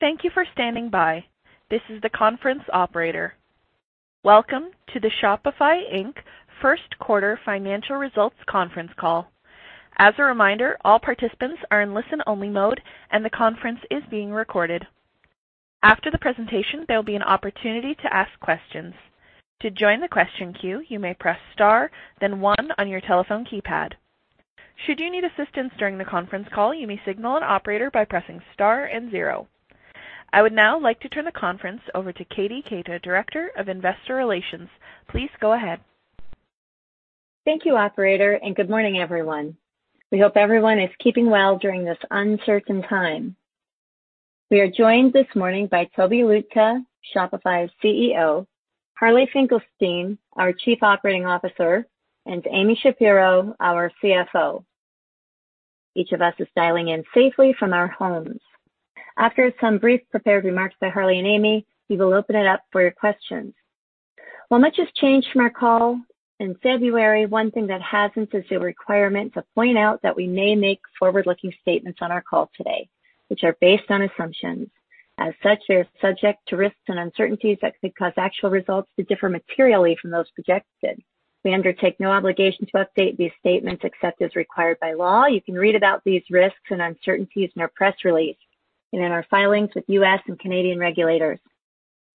Thank you for standing by. This is the conference operator. Welcome to the Shopify Inc. First Quarter Financial Results conference call. As a reminder, all participants are in listen-only mode, and the conference is being recorded. After the presentation, there will be an opportunity to ask questions. To join the question queue, you may press star then one on your telephone keypad. Should you need assistance during the conference call, you may signal an operator by pressing star and zero. I would now like to turn the conference over to Katie Keita, Director of Investor Relations. Please go ahead. Thank you, operator, and good morning, everyone. We hope everyone is keeping well during this uncertain time. We are joined this morning by Tobi Lütke, Shopify's CEO, Harley Finkelstein, our Chief Operating Officer, and Amy Shapero, our CFO. Each of us is dialing in safely from our homes. After some brief prepared remarks by Harley and Amy, we will open it up for your questions. While much has changed from our call in February, one thing that hasn't is the requirement to point out that we may make forward-looking statements on our call today, which are based on assumptions. As such, they're subject to risks and uncertainties that could cause actual results to differ materially from those projected. We undertake no obligation to update these statements except as required by law. You can read about these risks and uncertainties in our press release and in our filings with U.S. and Canadian regulators.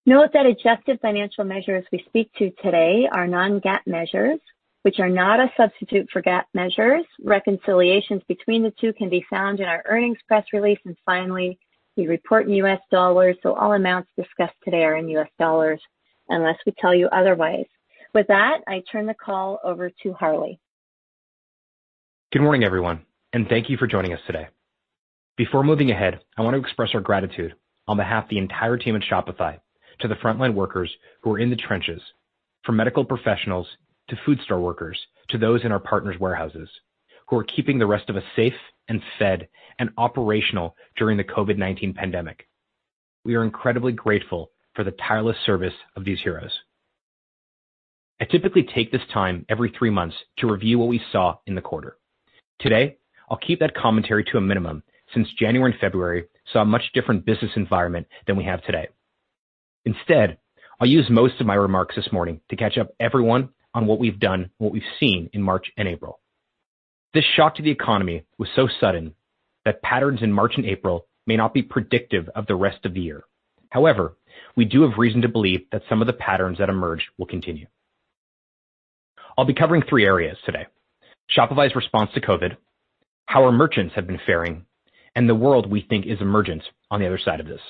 Note that adjusted financial measures we speak to today are non-GAAP measures, which are not a substitute for GAAP measures. Reconciliations between the two can be found in our earnings press release. Finally, we report in US dollars, so all amounts discussed today are in US dollars unless we tell you otherwise. With that, I turn the call over to Harley. Good morning, everyone. Thank you for joining us today. Before moving ahead, I want to express our gratitude on behalf of the entire team at Shopify to the frontline workers who are in the trenches, from medical professionals to food store workers, to those in our partners' warehouses who are keeping the rest of us safe and fed and operational during the COVID-19 pandemic. We are incredibly grateful for the tireless service of these heroes. I typically take this time every three months to review what we saw in the quarter. Today, I'll keep that commentary to a minimum since January and February saw a much different business environment than we have today. Instead, I'll use most of my remarks this morning to catch up everyone on what we've done and what we've seen in March and April. This shock to the economy was so sudden that patterns in March and April may not be predictive of the rest of the year. However, we do have reason to believe that some of the patterns that emerge will continue. I'll be covering three areas today: Shopify's response to COVID, how our merchants have been faring, and the world we think is emergent on the other side of this.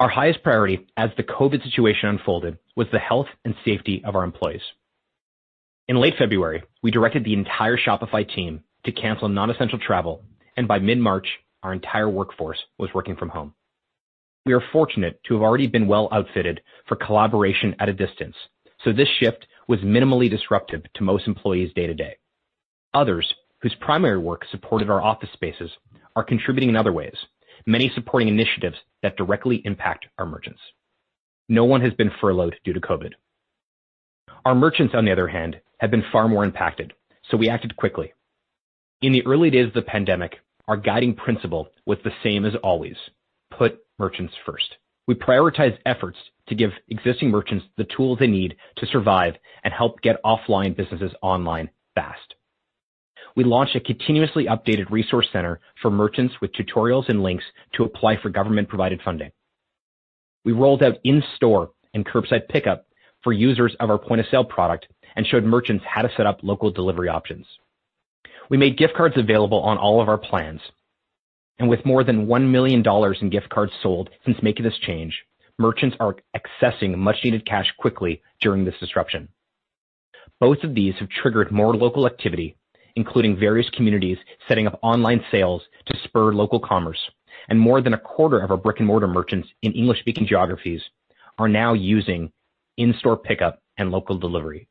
Our highest priority as the COVID situation unfolded was the health and safety of our employees. In late February, we directed the entire Shopify team to cancel non-essential travel, and by mid-March, our entire workforce was working from home. We are fortunate to have already been well-outfitted for collaboration at a distance, so this shift was minimally disruptive to most employees day-to-day. Others, whose primary work supported our office spaces, are contributing in other ways, many supporting initiatives that directly impact our merchants. No one has been furloughed due to COVID. Our merchants, on the other hand, have been far more impacted, so we acted quickly. In the early days of the pandemic, our guiding principle was the same as always, put merchants first. We prioritized efforts to give existing merchants the tools they need to survive and help get offline businesses online fast. We launched a continuously updated resource center for merchants with tutorials and links to apply for government-provided funding. We rolled out in-store and curbside pickup for users of our point-of-sale product and showed merchants how to set up local delivery options. We made gift cards available on all of our plans, and with more than $1 million in gift cards sold since making this change, merchants are accessing much-needed cash quickly during this disruption. Both of these have triggered more local activity, including various communities setting up online sales to spur local commerce, and more than a quarter of our brick-and-mortar merchants in English-speaking geographies are now using in-store pickup and local delivery.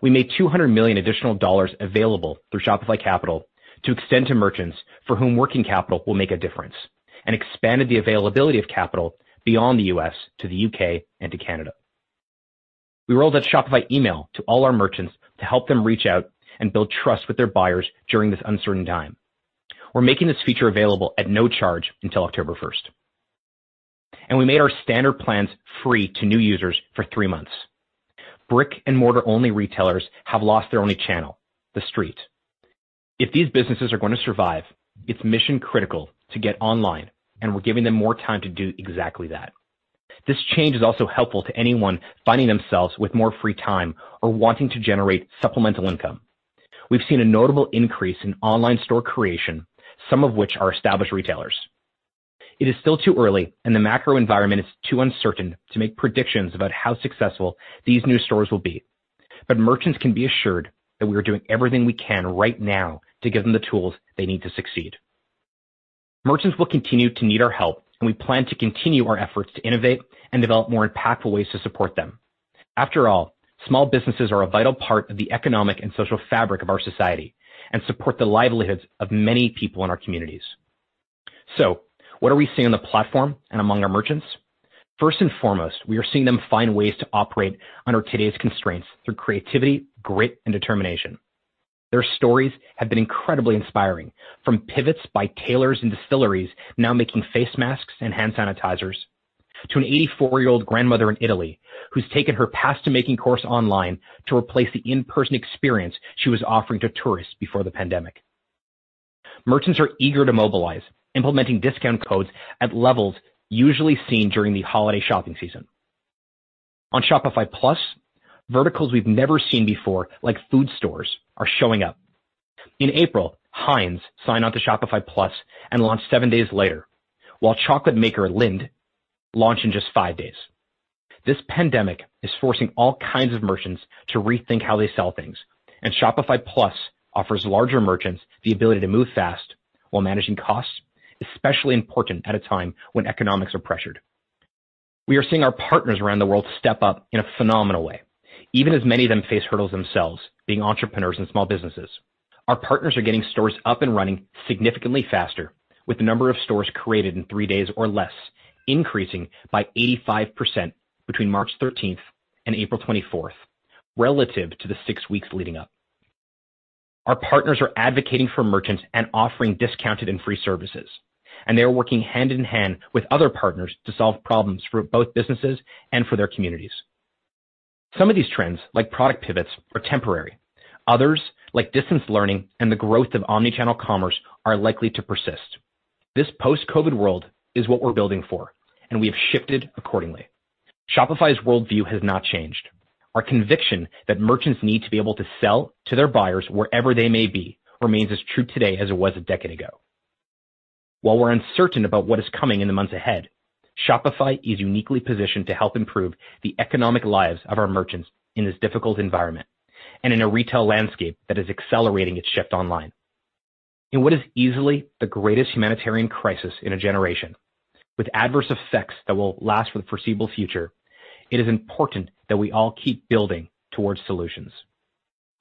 We made $200 million additional dollars available through Shopify Capital to extend to merchants for whom working capital will make a difference and expanded the availability of capital beyond the U.S. to the U.K. and to Canada. We rolled out Shopify Email to all our merchants to help them reach out and build trust with their buyers during this uncertain time. We're making this feature available at no charge until October 1st. We made our standard plans free to new users for three months. Brick-and-mortar-only retailers have lost their only channel, the street. If these businesses are going to survive, it's mission-critical to get online, and we're giving them more time to do exactly that. This change is also helpful to anyone finding themselves with more free time or wanting to generate supplemental income. We've seen a notable increase in online store creation, some of which are established retailers. It is still too early, and the macro environment is too uncertain to make predictions about how successful these new stores will be. Merchants can be assured that we are doing everything we can right now to give them the tools they need to succeed. Merchants will continue to need our help, and we plan to continue our efforts to innovate and develop more impactful ways to support them. After all, small businesses are a vital part of the economic and social fabric of our society and support the livelihoods of many people in our communities. What are we seeing on the platform and among our merchants? First and foremost, we are seeing them find ways to operate under today's constraints through creativity, grit, and determination. Their stories have been incredibly inspiring, from pivots by tailors and distilleries now making face masks and hand sanitizers, to an 84-year-old grandmother in Italy who's taken her pasta-making course online to replace the in-person experience she was offering to tourists before the pandemic. Merchants are eager to mobilize, implementing discount codes at levels usually seen during the holiday shopping season. On Shopify Plus, verticals we've never seen before, like food stores, are showing up. In April, Heinz signed on to Shopify Plus and launched seven days later, while chocolate maker Lindt launched in just five days. This pandemic is forcing all kinds of merchants to rethink how they sell things. Shopify Plus offers larger merchants the ability to move fast while managing costs, especially important at a time when economics are pressured. We are seeing our partners around the world step up in a phenomenal way, even as many of them face hurdles themselves being entrepreneurs and small businesses. Our partners are getting stores up and running significantly faster, with the number of stores created in three days or less increasing by 85% between March 13th and April 24th relative to the six weeks leading up. Our partners are advocating for merchants and offering discounted and free services, and they are working hand-in-hand with other partners to solve problems for both businesses and for their communities. Some of these trends, like product pivots, are temporary. Others, like distance learning and the growth of omnichannel commerce, are likely to persist. This post-COVID world is what we're building for, and we have shifted accordingly. Shopify's worldview has not changed. Our conviction that merchants need to be able to sell to their buyers wherever they may be remains as true today as it was a decade ago. While we're uncertain about what is coming in the months ahead, Shopify is uniquely positioned to help improve the economic lives of our merchants in this difficult environment and in a retail landscape that is accelerating its shift online. In what is easily the greatest humanitarian crisis in a generation, with adverse effects that will last for the foreseeable future, it is important that we all keep building towards solutions.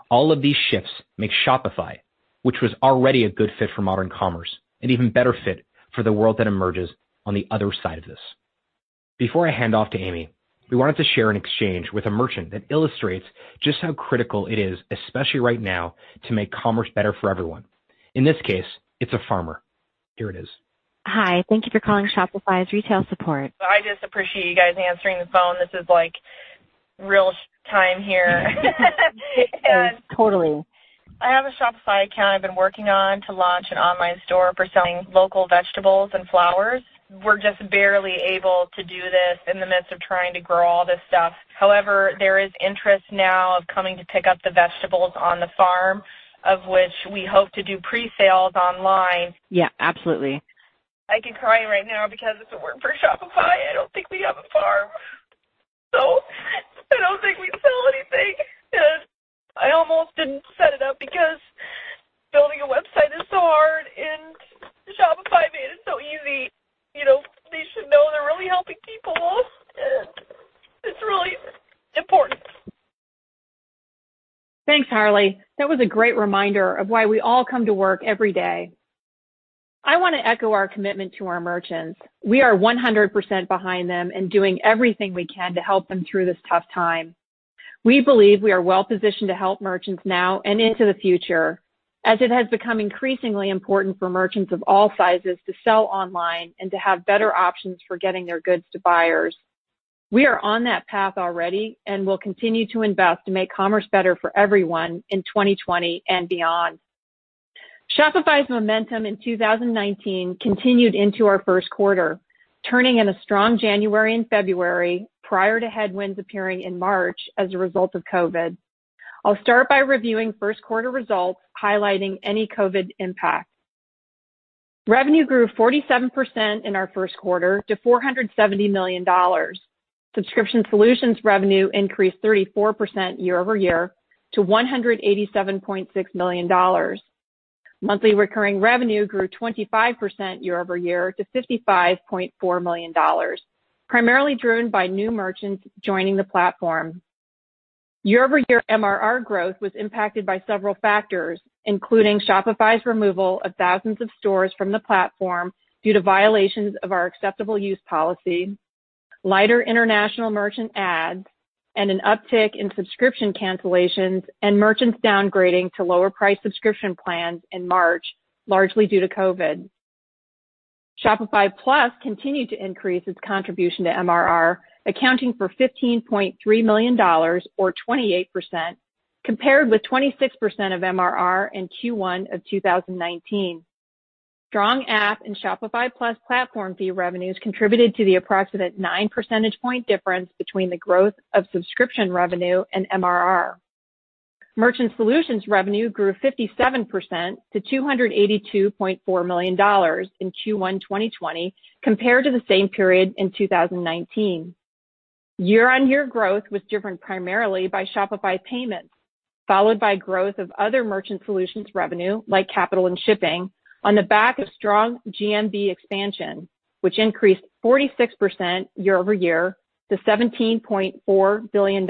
All of these shifts make Shopify, which was already a good fit for modern commerce, an even better fit for the world that emerges on the other side of this. Before I hand off to Amy, we wanted to share an exchange with a merchant that illustrates just how critical it is, especially right now, to make commerce better for everyone. In this case, it's a farmer. Here it is. Hi. Thank you for calling Shopify's retail support. I just appreciate you guys answering the phone. This is, like, real time here. Totally. I have a Shopify account I've been working on to launch an online store for selling local vegetables and flowers. We're just barely able to do this in the midst of trying to grow all this stuff. There is interest now of coming to pick up the vegetables on the farm, of which we hope to do pre-sales online. Yeah, absolutely. I keep crying right now because if it weren't for Shopify, I don't think we'd have a farm, so I don't think we'd sell anything, and I almost didn't set it up because building a website is so hard, and Shopify made it so easy. You know, they should know they're really helping people, and it's really important. Thanks, Harley. That was a great reminder of why we all come to work every day. I want to echo our commitment to our merchants. We are 100% behind them and doing everything we can to help them through this tough time. We believe we are well-positioned to help merchants now and into the future, as it has become increasingly important for merchants of all sizes to sell online and to have better options for getting their goods to buyers. We are on that path already and will continue to invest to make commerce better for everyone in 2020 and beyond. Shopify's momentum in 2019 continued into our first quarter, turning in a strong January and February prior to headwinds appearing in March as a result of COVID. I'll start by reviewing first quarter results, highlighting any COVID impact. Revenue grew 47% in our first quarter to $470 million. Subscription solutions revenue increased 34% year-over-year to $187.6 million. Monthly recurring revenue grew 25% year-over-year to $55.4 million, primarily driven by new merchants joining the platform. Year-over-year MRR growth was impacted by several factors, including Shopify's removal of thousands of stores from the platform due to violations of our acceptable use policy, lighter international merchant adds, and an uptick in subscription cancellations and merchants downgrading to lower price subscription plans in March, largely due to COVID. Shopify Plus continued to increase its contribution to MRR, accounting for $15.3 million or 28%, compared with 26% of MRR in Q1 of 2019. Strong app and Shopify Plus platform fee revenues contributed to the approximate 9 percentage point difference between the growth of subscription revenue and MRR. Merchant solutions revenue grew 57% to $282.4 million in Q1 2020 compared to the same period in 2019. Year-on-year growth was driven primarily by Shopify Payments, followed by growth of other merchant solutions revenue, like Shopify Capital and shipping, on the back of strong GMV expansion, which increased 46% year-over-year to $17.4 billion.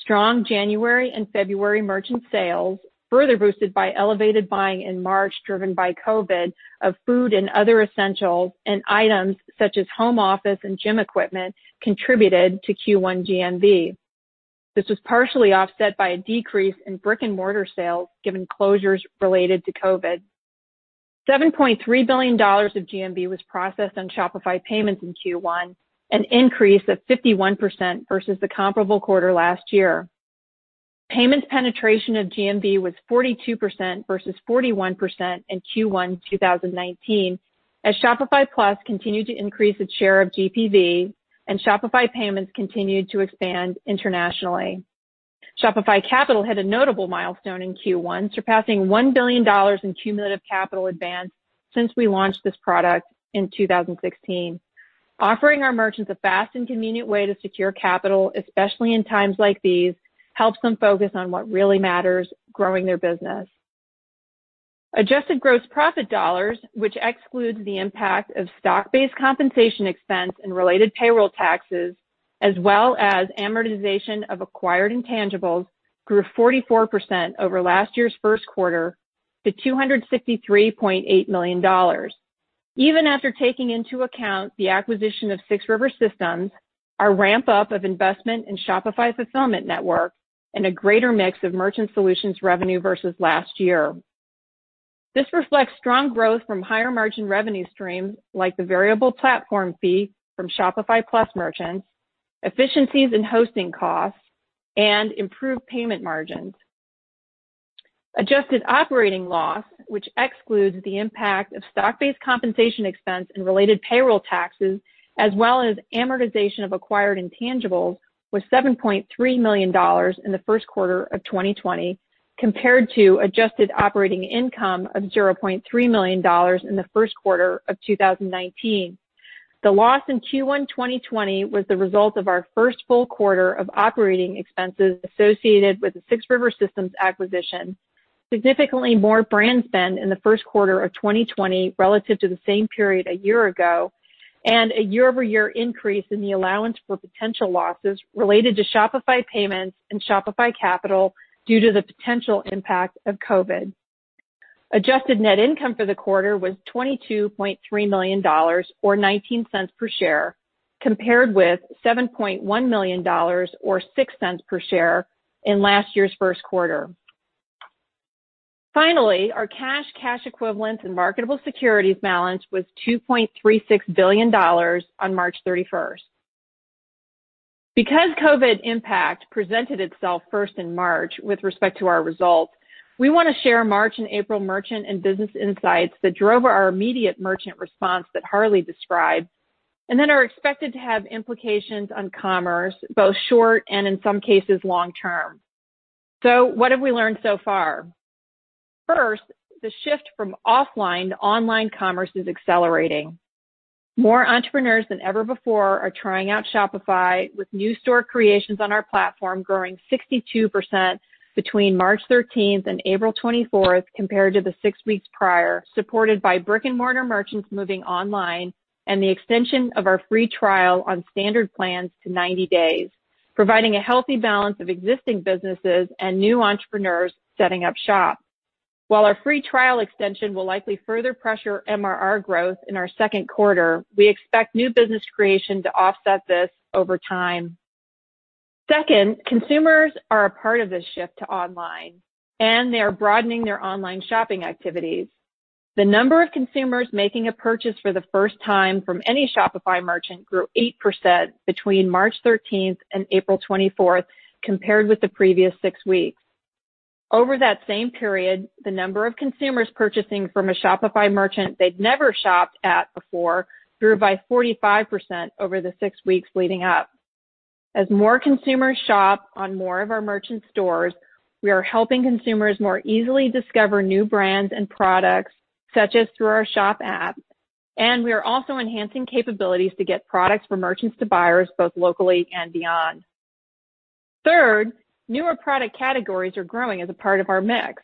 Strong January and February merchant sales, further boosted by elevated buying in March driven by COVID of food and other essentials and items such as home office and gym equipment, contributed to Q1 GMV. This was partially offset by a decrease in brick-and-mortar sales given closures related to COVID. $7.3 billion of GMV was processed on Shopify Payments in Q1, an increase of 51% versus the comparable quarter last year. Payments penetration of GMV was 42% versus 41% in Q1 2019 as Shopify Plus continued to increase its share of GPV and Shopify Payments continued to expand internationally. Shopify Capital hit a notable milestone in Q1, surpassing $1 billion in cumulative capital advance since we launched this product in 2016. Offering our merchants a fast and convenient way to secure capital, especially in times like these, helps them focus on what really matters, growing their business. Adjusted gross profit dollars, which excludes the impact of stock-based compensation expense and related payroll taxes, as well as amortization of acquired intangibles, grew 44% over last year's first quarter to $263.8 million. Even after taking into account the acquisition of 6 River Systems, our ramp-up of investment in Shopify Fulfillment Network, and a greater mix of merchant solutions revenue versus last year. This reflects strong growth from higher-margin revenue streams like the variable platform fee from Shopify Plus merchants, efficiencies in hosting costs, and improved payment margins. Adjusted operating loss, which excludes the impact of stock-based compensation expense and related payroll taxes, as well as amortization of acquired intangibles, was $7.3 million in the first quarter of 2020 compared to adjusted operating income of $0.3 million in the first quarter of 2019. The loss in Q1 2020 was the result of our first full quarter of operating expenses associated with the 6 River Systems acquisition, significantly more brand spend in the first quarter of 2020 relative to the same period a year ago, and a year-over-year increase in the allowance for potential losses related to Shopify Payments and Shopify Capital due to the potential impact of COVID. Adjusted net income for the quarter was $22.3 million or $0.19 per share, compared with $7.1 million or $0.06 per share in last year's first quarter. Finally, our cash equivalents, and marketable securities balance was $2.36 billion on March 31st. COVID impact presented itself first in March with respect to our results, we wanna share March and April merchant and business insights that drove our immediate merchant response that Harley described and then are expected to have implications on commerce, both short and, in some cases, long-term. What have we learned so far? First, the shift from offline to online commerce is accelerating. More entrepreneurs than ever before are trying out Shopify with new store creations on our platform growing 62% between March 13th and April 24th compared to the six weeks prior, supported by brick-and-mortar merchants moving online and the extension of our free trial on standard plans to 90 days, providing a healthy balance of existing businesses and new entrepreneurs setting up shop. While our free trial extension will likely further pressure MRR growth in our second quarter, we expect new business creation to offset this over time. Second, consumers are a part of this shift to online, and they are broadening their online shopping activities. The number of consumers making a purchase for the first time from any Shopify merchant grew 8% between March 13th and April 24th compared with the previous six weeks. Over that same period, the number of consumers purchasing from a Shopify merchant they'd never shopped at before grew by 45% over the six weeks leading up. More consumers shop on more of our merchant stores, we are helping consumers more easily discover new brands and products, such as through our Shop app, and we are also enhancing capabilities to get products from merchants to buyers both locally and beyond. Third, newer product categories are growing as a part of our mix.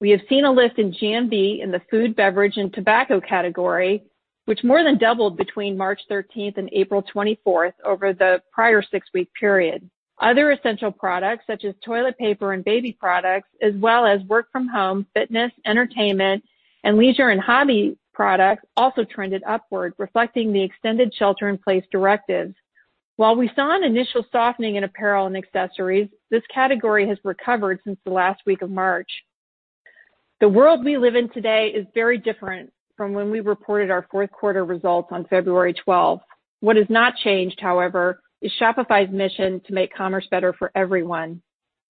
We have seen a lift in GMV in the food, beverage, and tobacco category, which more than doubled between March 13th and April 24th over the prior six-week period. Other essential products, such as toilet paper and baby products, as well as work-from-home, fitness, entertainment, and leisure and hobby products also trended upward, reflecting the extended shelter-in-place directives. While we saw an initial softening in apparel and accessories, this category has recovered since the last week of March. The world we live in today is very different from when we reported our fourth quarter results on February 12th. What has not changed, however, is Shopify's mission to make commerce better for everyone.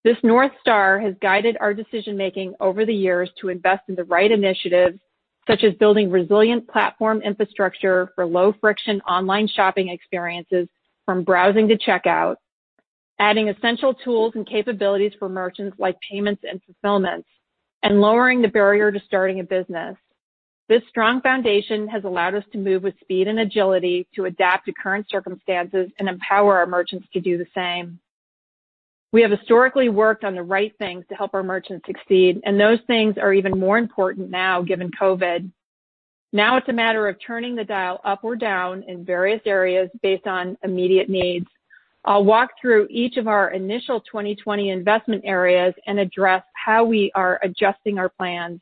This North Star has guided our decision-making over the years to invest in the right initiatives, such as building resilient platform infrastructure for low-friction online shopping experiences from browsing to checkout, adding essential tools and capabilities for merchants like payments and fulfillments, and lowering the barrier to starting a business. This strong foundation has allowed us to move with speed and agility to adapt to current circumstances and empower our merchants to do the same. We have historically worked on the right thing to help our merchants to succeed and those things are even more important now given COVID. It's a matter of turning the dial up or down in various areas based on immediate needs. I'll walk through each of our initial 2020 investment areas and address how we are adjusting our plans.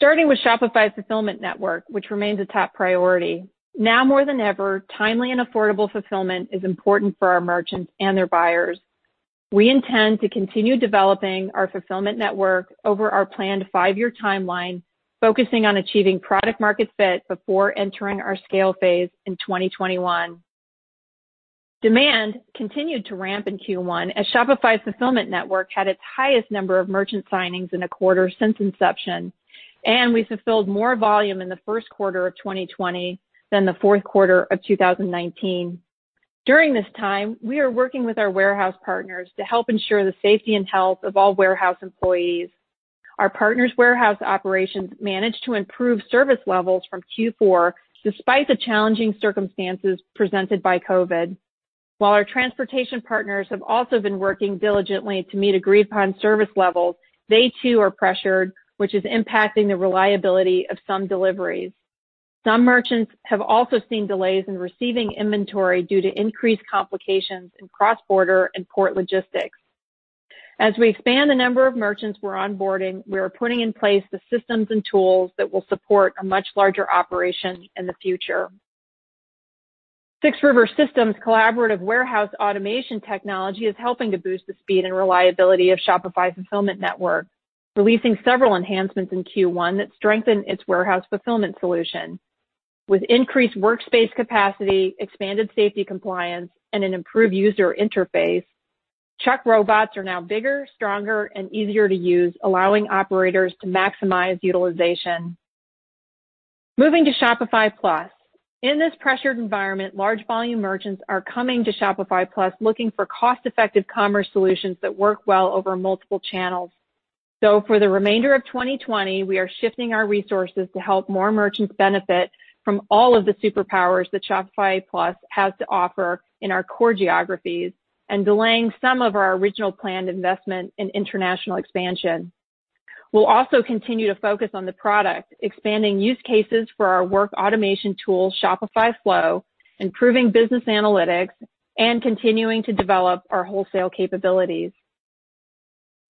Starting with Shopify Fulfillment Network, which remains a top priority. Now more than ever, timely and affordable fulfillment is important for our merchants and their buyers. We intend to continue developing our Fulfillment Network over our planned five-year timeline, focusing on achieving product-market fit before entering our scale phase in 2021. Demand continued to ramp in Q1 as Shopify's Fulfillment Network had its highest number of merchant signings in a quarter since inception, and we fulfilled more volume in the first quarter of 2020 than the fourth quarter of 2019. During this time, we are working with our warehouse partners to help ensure the safety and health of all warehouse employees. Our partners' warehouse operations managed to improve service levels from Q4 despite the challenging circumstances presented by COVID. While our transportation partners have also been working diligently to meet agreed-upon service levels, they too are pressured, which is impacting the reliability of some deliveries. Some merchants have also seen delays in receiving inventory due to increased complications in cross-border and port logistics. As we expand the number of merchants we're onboarding, we are putting in place the systems and tools that will support a much larger operation in the future. 6 River Systems' collaborative warehouse automation technology is helping to boost the speed and reliability of Shopify Fulfillment Network, releasing several enhancements in Q1 that strengthen its warehouse fulfillment solution. With increased workspace capacity, expanded safety compliance, and an improved user interface, Chuck robots are now bigger, stronger, and easier to use, allowing operators to maximize utilization. Moving to Shopify Plus. In this pressured environment, large-volume merchants are coming to Shopify Plus looking for cost-effective commerce solutions that work well over multiple channels. For the remainder of 2020, we are shifting our resources to help more merchants benefit from all of the superpowers that Shopify Plus has to offer in our core geographies and delaying some of our original planned investment in international expansion. We'll also continue to focus on the product, expanding use cases for our workflo automation tool, Shopify Flow, improving business analytics, and continuing to develop our wholesale capabilities.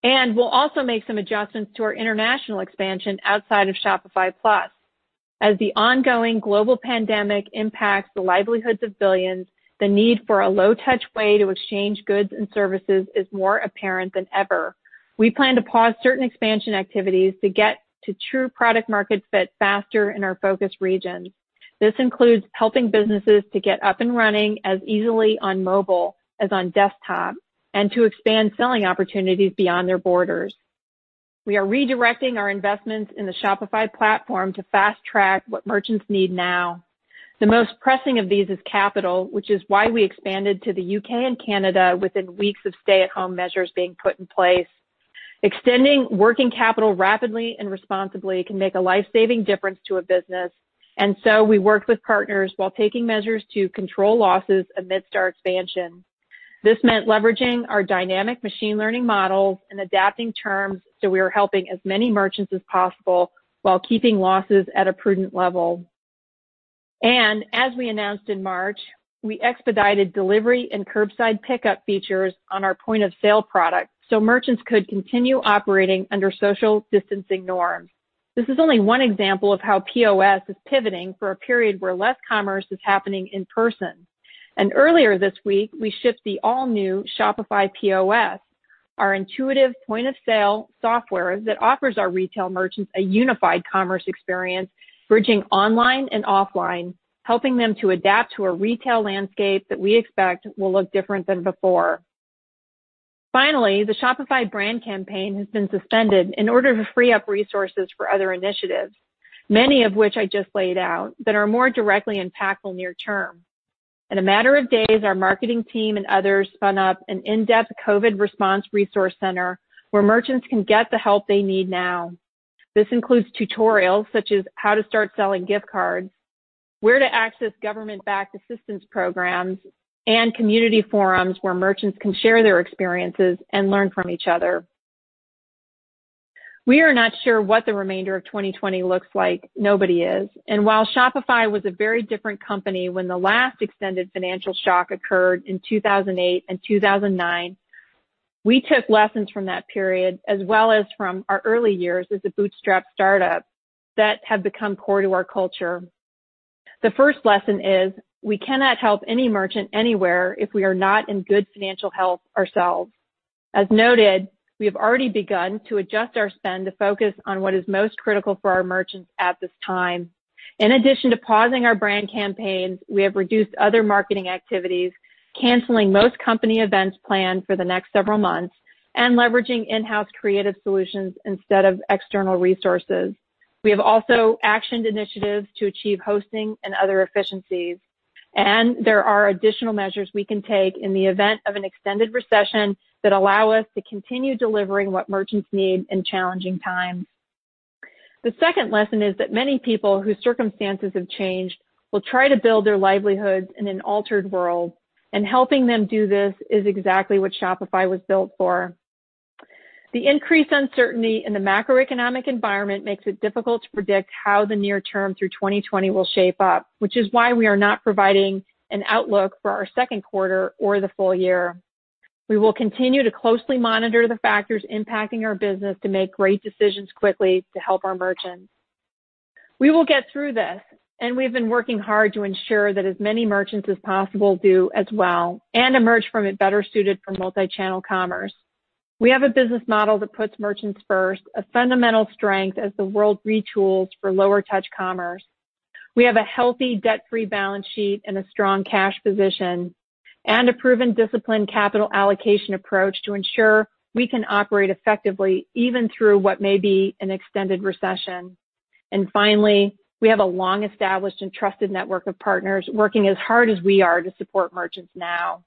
We'll also make some adjustments to our international expansion outside of Shopify Plus. As the ongoing global pandemic impacts the livelihoods of billions, the need for a low-touch way to exchange goods and services is more apparent than ever. We plan to pause certain expansion activities to get to true product-market fit faster in our focus regions. This includes helping businesses to get up and running as easily on mobile as on desktop and to expand selling opportunities beyond their borders. We are redirecting our investments in the Shopify platform to fast-track what merchants need now. The most pressing of these is capital, which is why we expanded to the U.K. and Canada within weeks of stay-at-home measures being put in place. Extending working capital rapidly and responsibly can make a life-saving difference to a business, and so we worked with partners while taking measures to control losses amidst our expansion. This meant leveraging our dynamic machine learning models and adapting terms so we are helping as many merchants as possible while keeping losses at a prudent level. As we announced in March, we expedited delivery and curbside pickup features on our point-of-sale product so merchants could continue operating under social distancing norms. This is only one example of how POS is pivoting for a period where less commerce is happening in person. Earlier this week, we shipped the all-new Shopify POS, our intuitive point-of-sale software that offers our retail merchants a unified commerce experience bridging online and offline, helping them to adapt to a retail landscape that we expect will look different than before. Finally, the Shopify brand campaign has been suspended in order to free up resources for other initiatives, many of which I just laid out, that are more directly impactful near-term. In a matter of days, our marketing team and others spun up an in-depth COVID response resource center where merchants can get the help they need now. This includes tutorials such as how to start selling gift cards, where to access government-backed assistance programs, and community forums where merchants can share their experiences and learn from each other. We are not sure what the remainder of 2020 looks like. Nobody is. While Shopify was a very different company when the last extended financial shock occurred in 2008 and 2009, we took lessons from that period, as well as from our early years as a bootstrapped startup, that have become core to our culture. The first lesson is we cannot help any merchant anywhere if we are not in good financial health ourselves. As noted, we have already begun to adjust our spend to focus on what is most critical for our merchants at this time. In addition to pausing our brand campaigns, we have reduced other marketing activities, canceling most company events planned for the next several months, and leveraging in-house creative solutions instead of external resources. We have also actioned initiatives to achieve hosting and other efficiencies. There are additional measures we can take in the event of an extended recession that allow us to continue delivering what merchants need in challenging times. The second lesson is that many people whose circumstances have changed will try to build their livelihoods in an altered world, and helping them do this is exactly what Shopify was built for. The increased uncertainty in the macroeconomic environment makes it difficult to predict how the near term through 2020 will shape up, which is why we are not providing an outlook for our second quarter or the full year. We will continue to closely monitor the factors impacting our business to make great decisions quickly to help our merchants. We will get through this. We've been working hard to ensure that as many merchants as possible do as well, and emerge from it better suited for multi-channel commerce. We have a business model that puts merchants first, a fundamental strength as the world retools for lower touch commerce. We have a healthy debt-free balance sheet and a strong cash position, and a proven disciplined capital allocation approach to ensure we can operate effectively, even through what may be an extended recession. Finally, we have a long established and trusted network of partners working as hard as we are to support merchants now.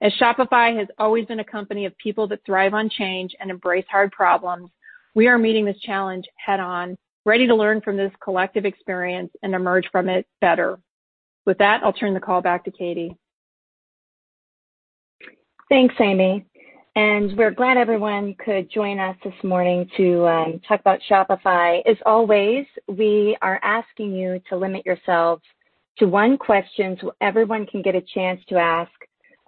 As Shopify has always been a company of people that thrive on change and embrace hard problems, we are meeting this challenge head-on, ready to learn from this collective experience and emerge from it better. With that, I will turn the call back to Katie. Thanks, Amy, we're glad everyone could join us this morning to talk about Shopify. As always, we are asking you to limit yourselves to one question so everyone can get a chance to ask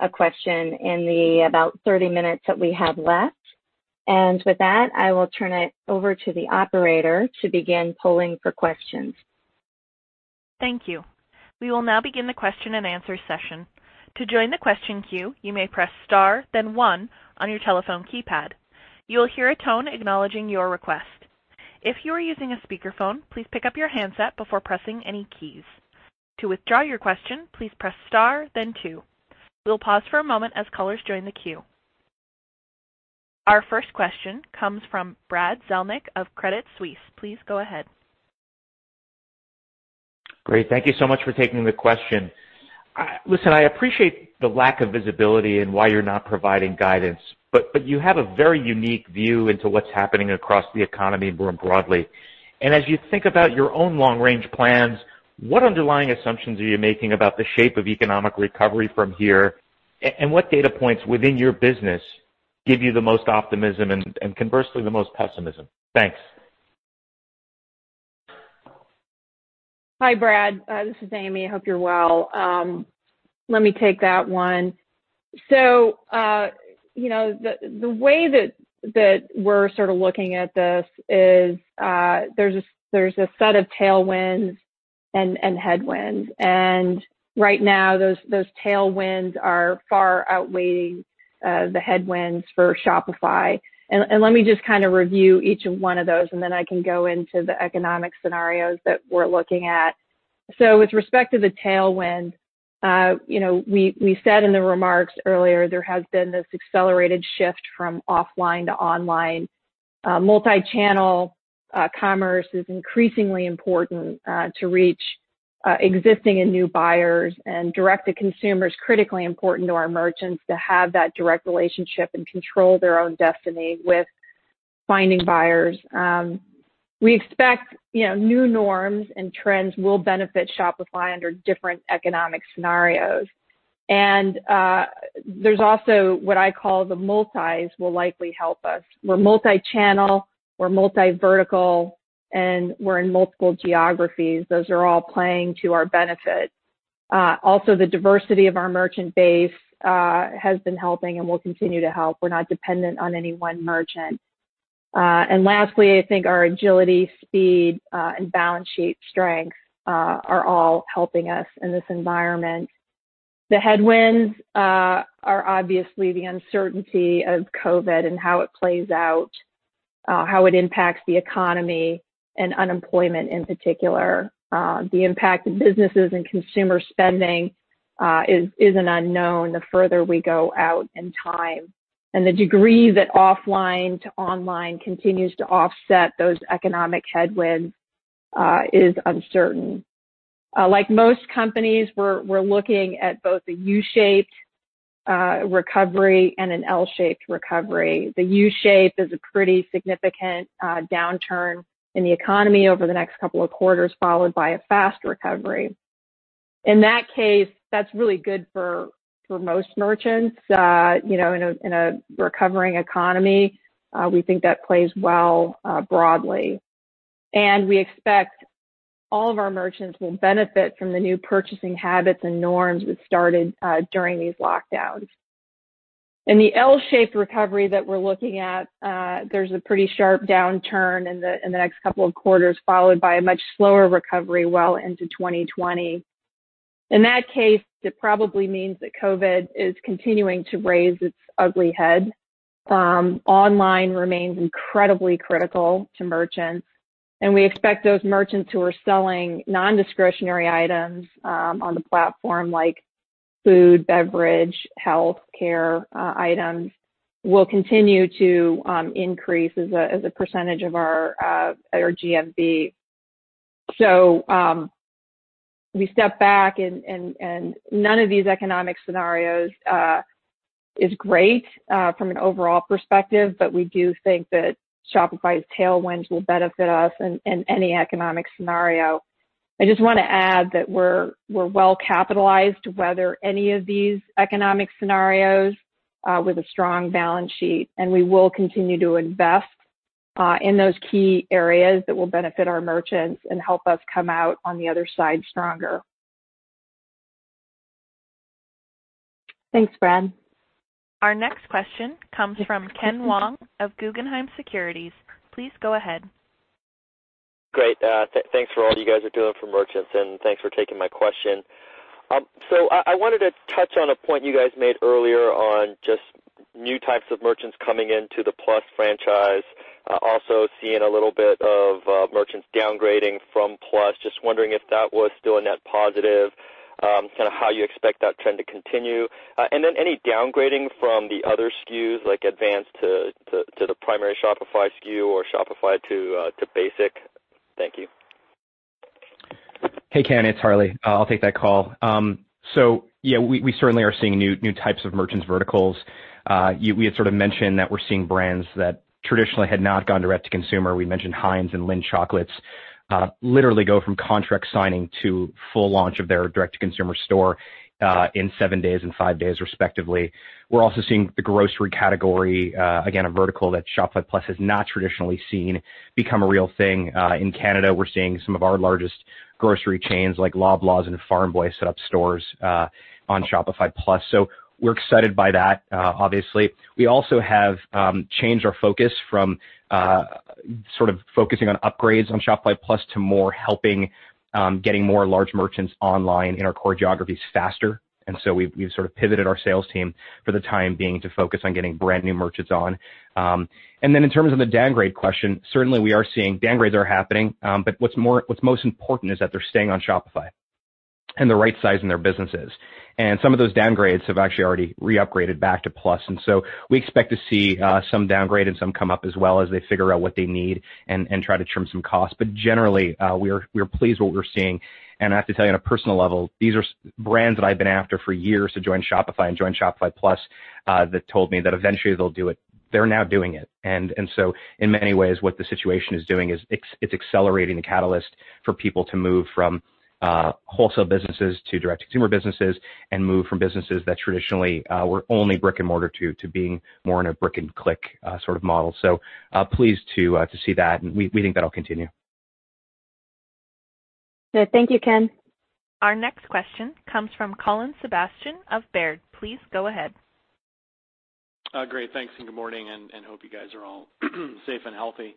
a question in the about 30 minutes that we have left. With that, I will turn it over to the operator to begin polling for questions. Thank you. We will now begin the question and answer session. To join the question queue, you may press star then one on your telephone keypad. You'll hear a tone acknowledging your request. If you're using a speakerphone, please pick up your handset before pressing any keys. To withdraw your question, please press star then two. We'll pause for a moment as callers join the queue. Our first question comes from Brad Zelnick of Credit Suisse. Please go ahead. Great. Thank you so much for taking the question. Listen, I appreciate the lack of visibility and why you're not providing guidance, but you have a very unique view into what's happening across the economy more broadly. As you think about your own long-range plans, what underlying assumptions are you making about the shape of economic recovery from here? What data points within your business give you the most optimism and, conversely, the most pessimism? Thanks. Hi, Brad. This is Amy. Hope you're well. Let me take that one. You know, the way that we're sort of looking at this is there's a set of tailwinds and headwinds, and right now those tailwinds are far outweighing the headwinds for Shopify. Let me just kind of review each one of those, and then I can go into the economic scenarios that we're looking at. With respect to the tailwind, you know, we said in the remarks earlier, there has been this accelerated shift from offline to online. Multi-channel commerce is increasingly important to reach existing and new buyers and direct-to-consumer is critically important to our merchants to have that direct relationship and control their own destiny with finding buyers. We expect, you know, new norms and trends will benefit Shopify under different economic scenarios. There's also what I call the multis will likely help us. We're multi-channel, we're multi-vertical, and we're in multiple geographies. Those are all playing to our benefit. The diversity of our merchant base has been helping and will continue to help. We're not dependent on any one merchant. Lastly, I think our agility, speed, and balance sheet strength are all helping us in this environment. The headwinds are, obviously, the uncertainty of COVID and how it plays out, how it impacts the economy and unemployment in particular. The impact to businesses and consumer spending is an unknown the further we go out in time, and the degree that offline to online continues to offset those economic headwinds is uncertain. Like most companies, we're looking at both a U-shaped recovery and an L-shaped recovery. The U-shape is a pretty significant downturn in the economy over the next couple of quarters, followed by a fast recovery. In that case, that's really good for most merchants, you know, in a recovering economy. We think that plays well broadly. We expect all of our merchants will benefit from the new purchasing habits and norms that started during these lockdowns. In the L-shaped recovery that we're looking at, there's a pretty sharp downturn in the next couple of quarters, followed by a much slower recovery well into 2020. In that case, it probably means that COVID is continuing to raise its ugly head. Online remains incredibly critical to merchants, and we expect those merchants who are selling non-discretionary items on the platform like food, beverage, health, care items will continue to increase as a percentage of our GMV. We step back and none of these economic scenarios is great from an overall perspective, but we do think that Shopify's tailwinds will benefit us in any economic scenario. I just wanna add that we're well capitalized to weather any of these economic scenarios, with a strong balance sheet. We will continue to invest in those key areas that will benefit our merchants and help us come out on the other side stronger. Thanks, Brad. Our next question comes from Ken Wong of Guggenheim Securities. Please go ahead. Great. Thanks for all you guys are doing for merchants, and thanks for taking my question. I wanted to touch on a point you guys made earlier on just new types of merchants coming into the Plus franchise, also seeing a little bit of merchants downgrading from Plus. Just wondering if that was still a net positive, kind of how you expect that trend to continue? Any downgrading from the other SKUs, like Advanced to the primary Shopify SKU or Shopify to Basic? Thank you. Hey, Ken, it's Harley. I'll take that call. Yeah, we certainly are seeing new types of merchants verticals. We had mentioned that we're seeing brands that traditionally had not gone Direct-to-consumer, we mentioned Heinz and Lindt chocolates, literally go from contract signing to full launch of their direct-to-consumer store, in seven days and five days respectively. We're also seeing the grocery category, again, a vertical that Shopify Plus has not traditionally seen become a real thing. In Canada, we're seeing some of our largest grocery chains like Loblaw and Farm Boy set up stores, on Shopify Plus. We're excited by that, obviously. We also have changed our focus from sort of focusing on upgrades on Shopify Plus to more helping getting more large merchants online in our core geographies faster. We've sort of pivoted our sales team for the time being to focus on getting brand new merchants on. In terms of the downgrade question, certainly we are seeing downgrades are happening, but what's most important is that they're staying on Shopify and they're rightsizing their businesses. Some of those downgrades have actually already re-upgraded back to Plus. We expect to see some downgrade, and some come up as well as they figure out what they need and try to trim some costs. Generally, we are pleased with what we're seeing. I have to tell you on a personal level, these are brands that I've been after for years to join Shopify and join Shopify Plus that told me that eventually they'll do it. They're now doing it. In many ways, what the situation is doing is it's accelerating the catalyst for people to move from wholesale businesses to direct-to-consumer businesses, and move from businesses that traditionally were only brick-and-mortar to being more in a brick-and-click sort of model. Pleased to see that, and we think that'll continue. Good. Thank you, Ken. Our next question comes from Colin Sebastian of Baird. Please go ahead. Great. Thanks, good morning, and hope you guys are all safe and healthy.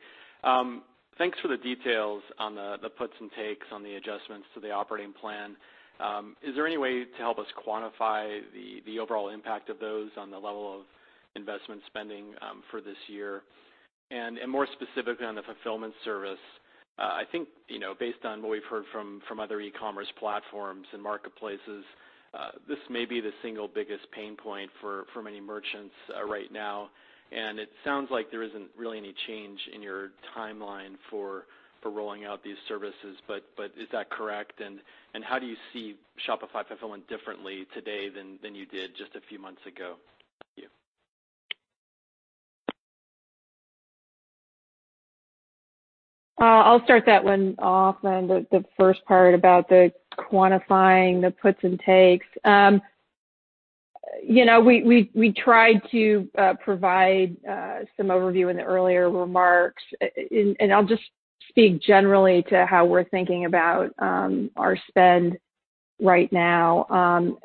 Thanks for the details on the puts and takes on the adjustments to the operating plan. Is there any way to help us quantify the overall impact of those on the level of investment spending for this year? More specifically, on the fulfillment service, I think, you know, based on what we've heard from other e-commerce platforms and marketplaces, this may be the single biggest pain point for many merchants right now. It sounds like there isn't really any change in your timeline for rolling out these services, is that correct? How do you see Shopify Fulfillment differently today than you did just a few months ago? Thank you. I'll start that one off then, the first part about the quantifying the puts and takes. You know, we tried to provide some overview in the earlier remarks. I'll just speak generally to how we're thinking about our spend right now.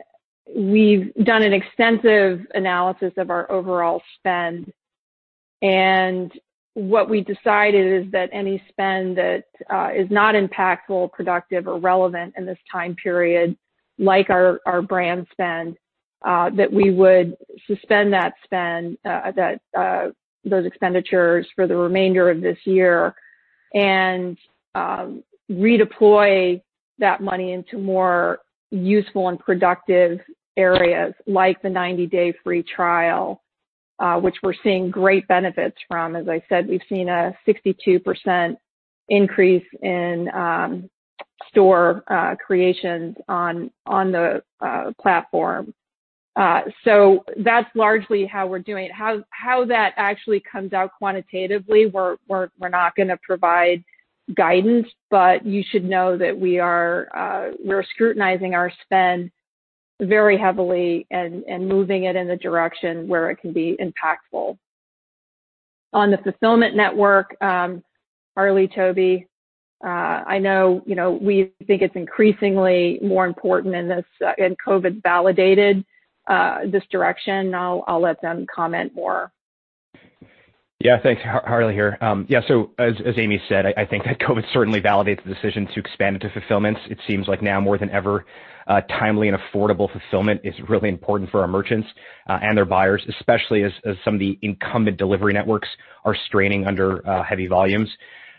We've done an extensive analysis of our overall spend, and what we decided is that any spend that is not impactful, productive, or relevant in this time period, like our brand spend, that we would suspend that spend, that those expenditures for the remainder of this year and redeploy that money into more useful and productive areas like the 90-day free trial, which we're seeing great benefits from. As I said, we've seen a 62% increase in store creations on the platform. That's largely how we're doing. How that actually comes out quantitatively, we're not gonna provide guidance, but you should know that we are scrutinizing our spend very heavily and moving it in the direction where it can be impactful. On the fulfillment network, Harley, Tobi, I know, you know, we think it's increasingly more important in this, and COVID validated this direction. I'll let them comment more. Yeah. Thanks. Harley here. Yeah, as Amy said, I think that COVID certainly validates the decision to expand into fulfillments. It seems like now more than ever, timely and affordable fulfillment is really important for our merchants and their buyers, especially as some of the incumbent delivery networks are straining under heavy volumes.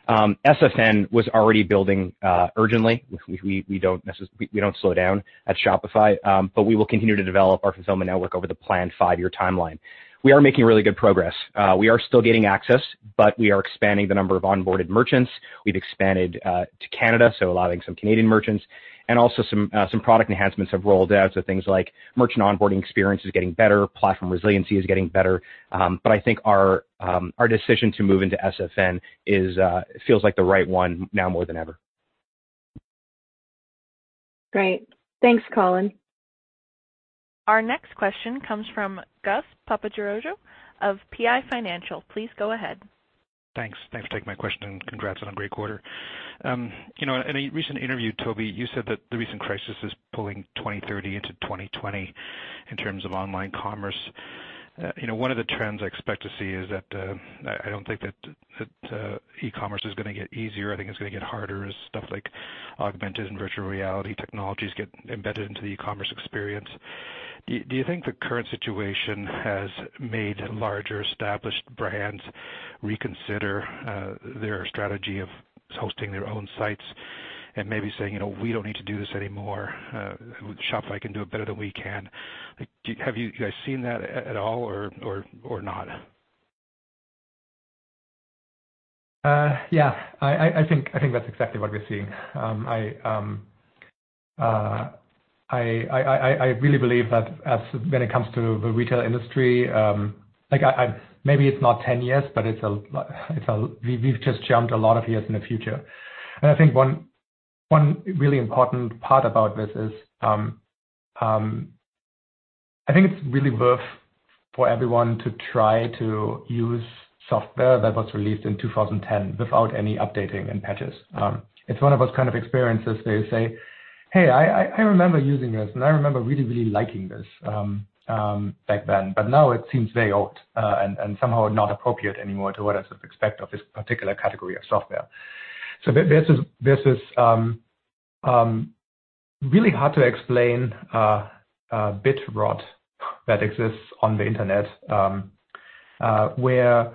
SFN was already building urgently. We don't slow down at Shopify. We will continue to develop our fulfillment network over the planned five-year timeline. We are making really good progress. We are still getting access, we are expanding the number of onboarded merchants. We've expanded to Canada, allowing some Canadian merchants, and also some product enhancements have rolled out. Things like merchant onboarding experience is getting better, platform resiliency is getting better. I think our decision to move into SFN feels like the right one now more than ever. Great. Thanks, Colin. Our next question comes from Gus Papageorgiou of PI Financial. Please go ahead. Thanks. Thanks for taking my question and congrats on a great quarter. You know, in a recent interview, Tobi, you said that the recent crisis is pulling 2030 into 2020 in terms of online commerce. You know, one of the trends I expect to see is that I don't think that e-commerce is gonna get easier. I think it's gonna get harder as stuff like augmented and virtual reality technologies get embedded into the e-commerce experience. Do you think the current situation has made larger established brands reconsider their strategy of hosting their own sites and maybe saying, you know, "We don't need to do this anymore. Shopify can do it better than we can." Like, have you guys seen that at all or not? Yeah. I think that's exactly what we're seeing. I really believe that when it comes to the retail industry, like maybe it's not 10 years, but we've just jumped a lot of years in the future. I think one really important part about this is, I think it's really worth for everyone to try to use software that was released in 2010 without any updating and patches. It's one of those kinds of experiences where you say, "Hey, I remember using this, and I remember really, really liking this back then. Now it seems very old, and somehow not appropriate anymore to what I sort of expect of this particular category of software." This is really hard to explain, bit rot that exists on the internet, where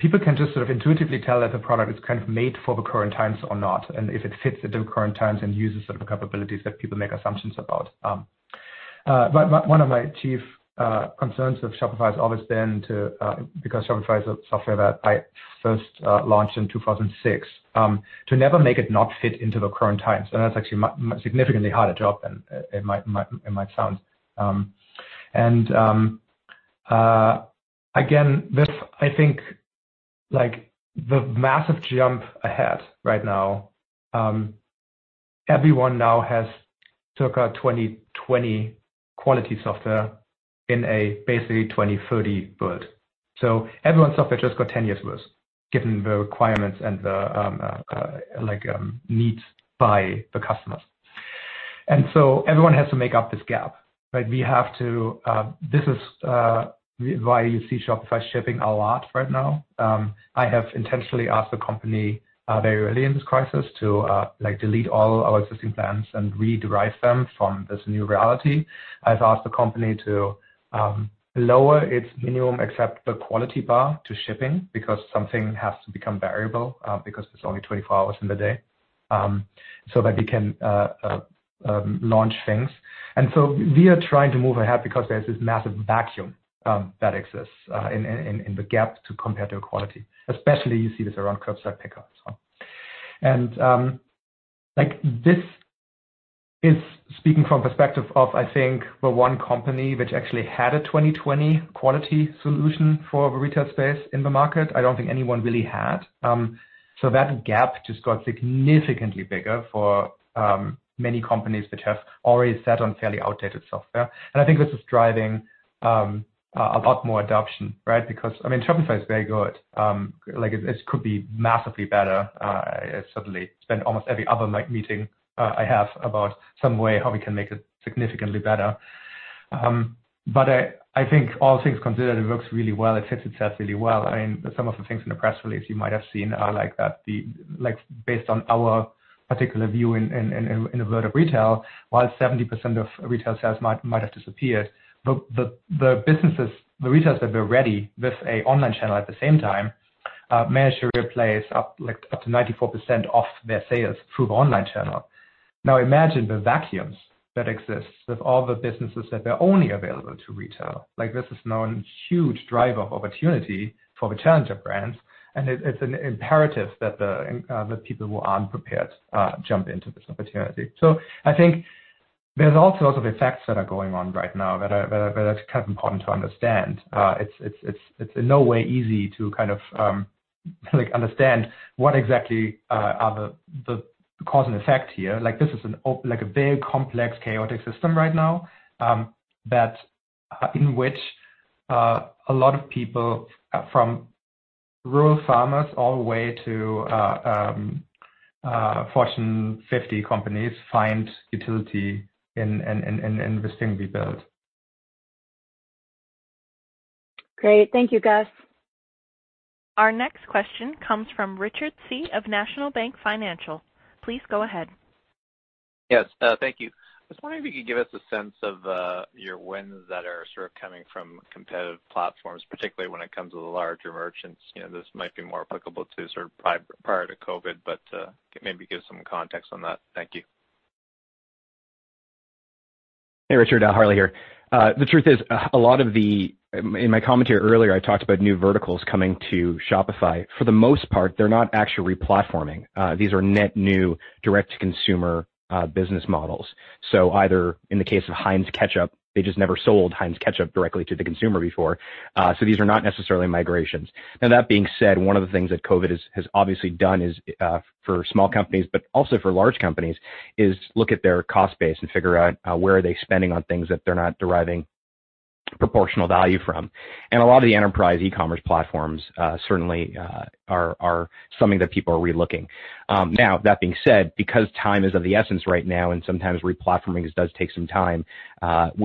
people can just sort of intuitively tell that the product is kind of made for the current times or not, and if it fits the current times and uses sort of capabilities that people make assumptions about. One of my chief concerns with Shopify has always been to, because Shopify is a software that I first launched in 2006, to never make it not fit into the current times. That's actually significantly harder job than it might sound. Again, this, I think, like the massive jump ahead right now, everyone now has sort of a 2020 quality software in a basically 2030 build. Everyone's software just got 10 years worse given the requirements and the needs by the customers. Everyone has to make up this gap, right? We have to. This is why you see Shopify shipping a lot right now. I have intentionally asked the company, very early in this crisis to, like, delete all our existing plans and rederive them from this new reality. I've asked the company to lower its minimum acceptable quality bar to shipping because something has to become variable, because there's only 24 hours in the day, so that we can launch things. We are trying to move ahead because there's this massive vacuum that exists in the gap to competitive quality, especially you see this around curbside pickup. Like this is speaking from perspective of, I think, the one company which actually had a 2020 quality solution for the retail space in the market. I don't think anyone really had. That gap just got significantly bigger for many companies which have already sat on fairly outdated software. I think this is driving a lot more adoption, right? I mean, Shopify is very good. Like it could be massively better. I certainly spend almost every other like meeting I have about some way how we can make it significantly better. But I think all things considered, it works really well. It fits itself really well. I mean, some of the things in the press release you might have seen are like that like based on our particular view in the world of retail, while 70% of retail sales might have disappeared, the businesses, the retailers that were ready with an online channel at the same time, managed to replace up to 94% of their sales through the online channel. Now, imagine the vacuums that exist with all the businesses that are only available to retail. Like this is now a huge driver of opportunity for the challenger brands, and it's an imperative that the people who aren't prepared, jump into this opportunity. I think there's all sorts of effects that are going on right now that are kind of important to understand. It's in no way easy to kind of like understand what exactly are the cause and effect here. This is like a very complex, chaotic system right now that in which a lot of people from rural farmers all the way to Fortune 50 companies find utility in this thing we built. Great. Thank you, Gus. Our next question comes from Richard Tse of National Bank Financial. Please go ahead. Yes. Thank you. I was wondering if you could give us a sense of your wins that are sort of coming from competitive platforms, particularly when it comes to the larger merchants. You know, this might be more applicable to sort of prior to COVID, but maybe give some context on that. Thank you. Hey, Richard. Harley here. The truth is, a lot of the, in my commentary earlier, I talked about new verticals coming to Shopify. For the most part, they're not actually re-platforming. These are net new direct-to-consumer business models. Either, in the case of Heinz Ketchup, they just never sold Heinz Ketchup directly to the consumer before. These are not necessarily migrations. That being said, one of the things that COVID has obviously done is, for small companies but also for large companies, is look at their cost base and figure out where are they spending on things that they're not deriving proportional value from. A lot of the enterprise e-commerce platforms, certainly, are something that people are re-looking. Now that being said, because time is of the essence right now, and sometimes re-platforming does take some time,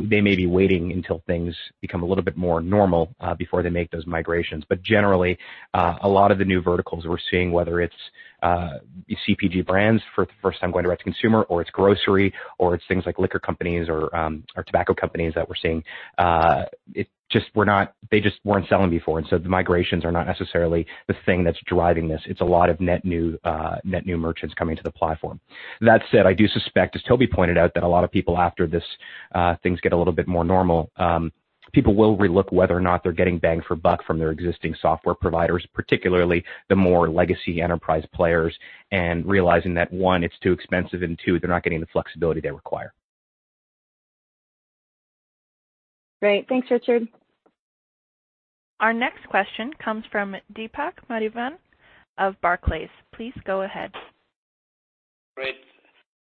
they may be waiting until things become a little bit more normal, before they make those migrations. Generally, a lot of the new verticals we're seeing, whether it's CPG brands for the first time going direct-to-consumer, or it's grocery, or it's things like liquor companies, or tobacco companies that we're seeing, they just weren't selling before. The migrations are not necessarily the thing that's driving this. It's a lot of net new merchants coming to the platform. That said, I do suspect, as Tobi pointed out, that a lot of people after this, things get a little bit more normal. People will relook whether or not they're getting bang for buck from their existing software providers, particularly the more legacy enterprise players, and realizing that, one, it's too expensive, and two, they're not getting the flexibility they require. Great. Thanks, Richard. Our next question comes from Deepak Mathivanan of Barclays. Please go ahead. Great.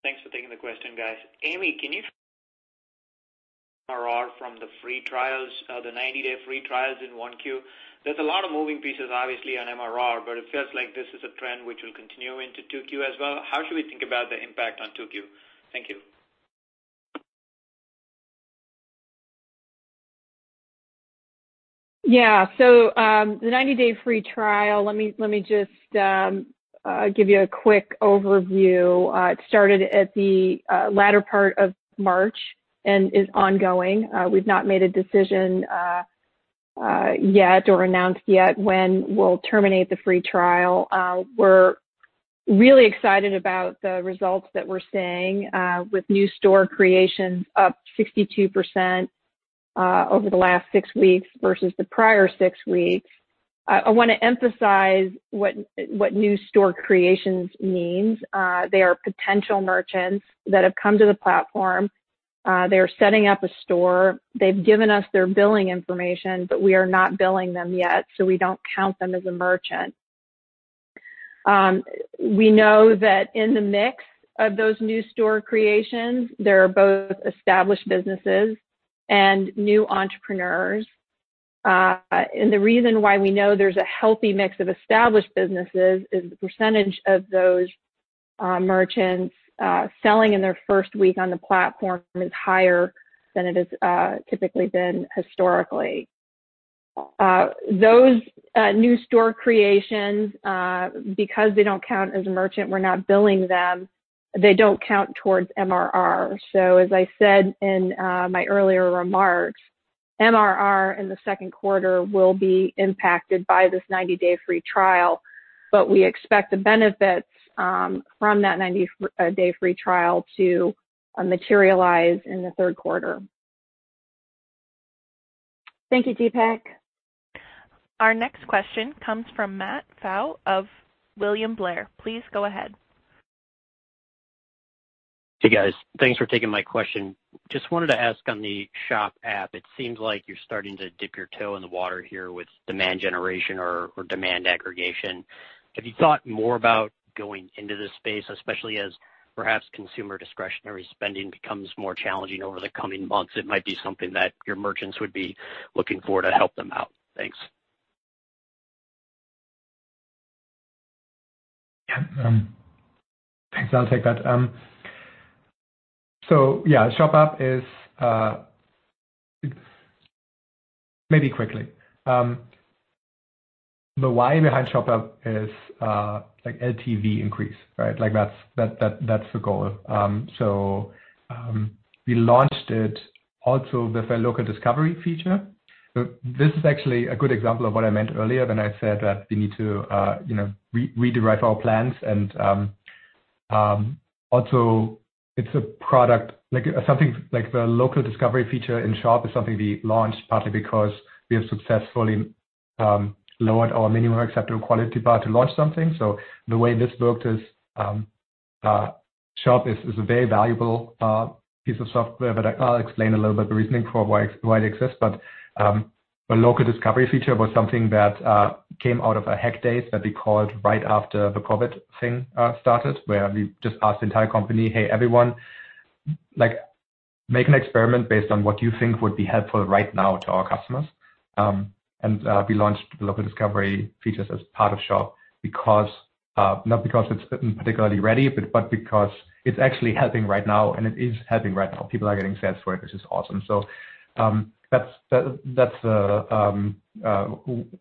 Thanks for taking the question, guys. Amy, MRR from the free trials, the 90-day free trials in 1Q. There's a lot of moving pieces, obviously, on MRR, but it feels like this is a trend which will continue into 2Q as well. How should we think about the impact on 2Q? Thank you. The 90-day free trial, let me just give you a quick overview. It started at the latter part of March and is ongoing. We've not made a decision yet or announced yet when we'll terminate the free trial. We're really excited about the results that we're seeing with new store creation up 62% over the last six weeks versus the prior six weeks. I want to emphasize what new store creations means. They are potential merchants that have come to the platform. They're setting up a store. They've given us their billing information, but we are not billing them yet, so we don't count them as a merchant. We know that in the mix of those new store creations, there are both established businesses and new entrepreneurs. The reason why we know there's a healthy mix of established businesses is the percentage of those merchants selling in their first week on the platform is higher than it has typically been historically. Those new store creations, because they don't count as a merchant, we're not billing them, they don't count towards MRR. As I said in my earlier remarks, MRR in the second quarter will be impacted by this 90-day free trial, but we expect the benefits from that 90-day free trial to materialize in the third quarter. Thank you, Deepak. Our next question comes from Matthew Pfau of William Blair. Please go ahead. Hey, guys. Thanks for taking my question. Just wanted to ask on the Shop app, it seems like you're starting to dip your toe in the water here with demand generation or demand aggregation. Have you thought more about going into this space, especially as perhaps consumer discretionary spending becomes more challenging over the coming months? It might be something that your merchants would be looking for to help them out. Thanks. Yeah, thanks. I'll take that. Yeah, Shop app is, maybe quickly, the why behind Shop app is like LTV increase, right? Like that's the goal. We launched it also with a local discovery feature. This is actually a good example of what I meant earlier when I said that we need to, you know, re- derive our plans. Also, it's a product like something, the local discovery feature in Shop is something we launched partly because we have successfully lowered our minimum acceptable quality bar to launch something. The way this worked is Shop is a very valuable piece of software, but I'll explain a little bit the reasoning for why it exists. The local discovery feature was something that came out of a hack days that we called right after the COVID started, where we just asked the entire company, "Hey, everyone, like, make an experiment based on what you think would be helpful right now to our customers." We launched local discovery features as part of Shop because not because it's particularly ready, but because it's actually helping right now, and it is helping right now. People are getting sales for it, which is awesome. That's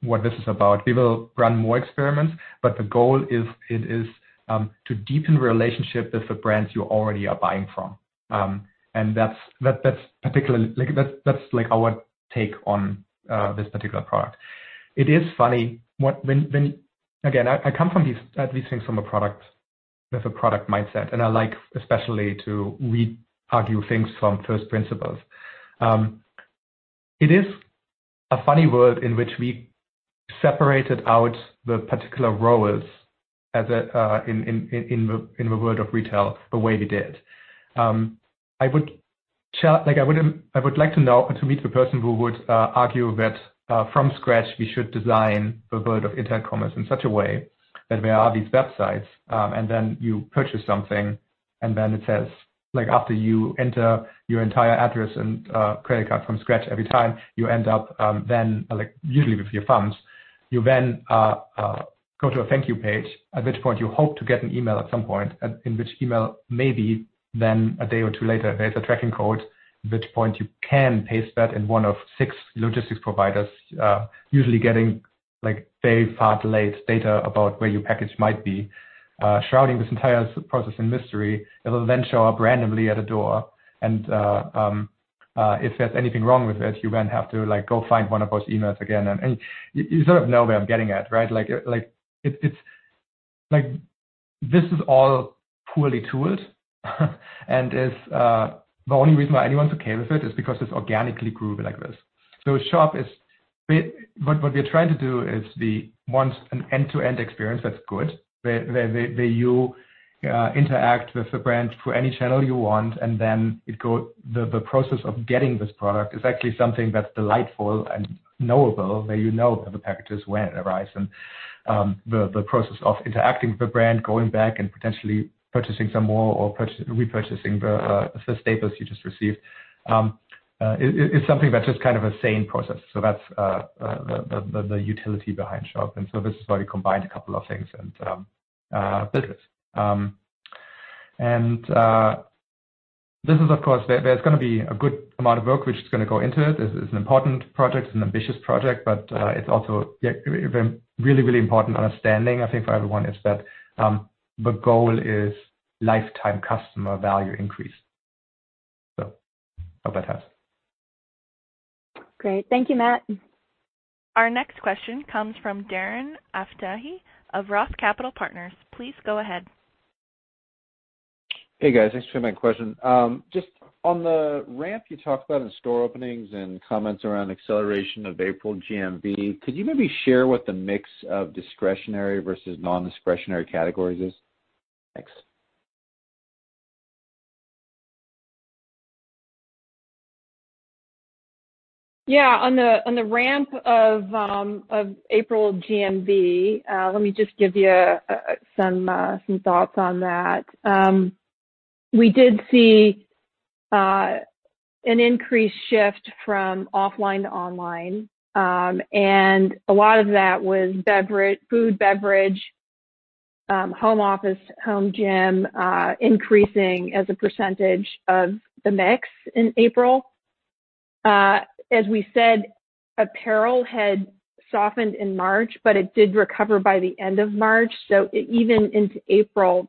what this is about. We will run more experiments, but the goal is it is to deepen relationship with the brands you already are buying from. That's particularly like our take on this particular product. It is funny. Again, I come from these, at least things from a product mindset. I like especially to re-argue things from first principles. It is a funny world in which we separated out the particular roles as in the world of retail the way we did. I would like to know or to meet the person who would argue that from scratch, we should design the world of internet commerce in such a way that there are these websites, and then you purchase something, and then it says, like after you enter your entire address and credit card from scratch every time, you end up, then, like usually with your thumbs, you then go to a thank you page, at which point you hope to get an email at some point. In which email maybe then, a day or two later, there's a tracking code, at which point you can paste that in one of six logistics providers, usually getting like very far delayed data about where your package might be, shrouding this entire process in mystery. It will then show up randomly at a door. If there's anything wrong with it, you then have to like go find one of those emails again. You sort of know where I'm getting at, right? It's like this is all poorly tooled and is, the only reason why anyone's okay with it is because it's organically grew like this. Shop is, what we're trying to do is want an end-to-end experience that's good, where you interact with the brand through any channel you want. The process of getting this product is actually something that's delightful and knowable, where you know the packages when it arrives. The process of interacting with the brand, going back and potentially purchasing some more or repurchasing the staples you just received, is something that's just kind of a sane process. That's the utility behind Shop. This is why we combined a couple of things and built it. This is of course, there's gonna be a good amount of work which is gonna go into it. This is an important project. It's an ambitious project. It's also a very really important understanding for everyone is that the goal is lifetime customer value increase. Hope that helps. Great. Thank you, Matt. Our next question comes from Darren Aftahi of ROTH Capital Partners. Please go ahead. Hey, guys. Thanks for taking my question. Just on the ramp you talked about in store openings and comments around acceleration of April GMV, could you maybe share what the mix of discretionary versus non-discretionary categories is? Thanks. Yeah. On the ramp of April GMV, let me just give you some thoughts on that. We did see an increased shift from offline to online. A lot of that was food, beverage, home office, home gym, increasing as a percentage of the mix in April. As we said, apparel had softened in March, but it did recover by the end of March. Even into April,